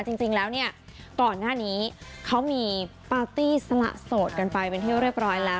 จริงแล้วเนี่ยต่างนานนี้เค้ามีปาร์ที่สละสดไปเป็นที่เรียบร้อยแล้ว